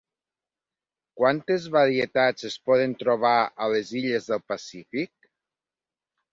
Quantes varietats es poden trobar a les illes del Pacífic?